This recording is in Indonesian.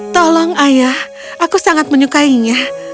tolong ayah aku sangat menyukainya